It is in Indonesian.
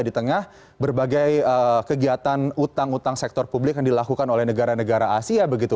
di tengah berbagai kegiatan utang utang sektor publik yang dilakukan oleh negara negara asia begitu